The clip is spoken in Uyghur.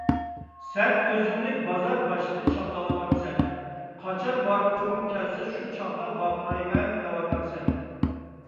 سەن ئۆزۈڭنى بازار باشلىقى چاغلاۋاتامسەن؟! قاچان ۋارقىرىغۇم كەلسە شۇ چاغدا ۋارقىرايمەن دەۋاتامسەن؟!